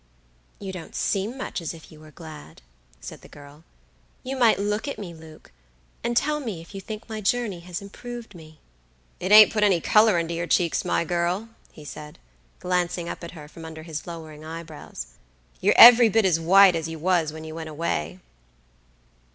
"You don't seem much as if you were glad," said the girl; "you might look at me, Luke, and tell me if you think my journey has improved me." "It ain't put any color into your cheeks, my girl," he said, glancing up at her from under his lowering eyebrows; "you're every bit as white as you was when you went away."